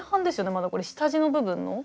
まだこれ下地の部分の。